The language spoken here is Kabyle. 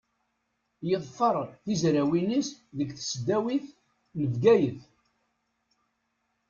Yeḍfer tizrawin-is deg tesdawit n Bgayet.